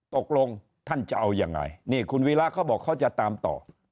ตกลงท่านจะเอายังไงนี่คุณวีระเขาบอกเขาจะตามต่อ